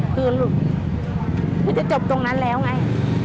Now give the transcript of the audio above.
คือลูกมันจะจบตรงนั้นแล้วไง